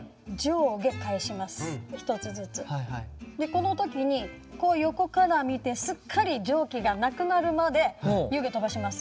この時に横から見てすっかり蒸気がなくなるまで湯気飛ばします。